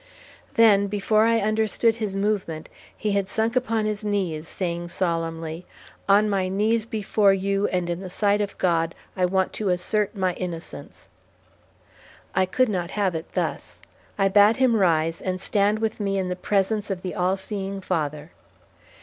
Then, before I understood his movement, he had sunk upon his knees, saying solemnly, "On my knees before you, and in the sight of God, I want to assert my innocence." I could not have it thus. I bade him rise, and stand with me in the presence of the all seeing Father.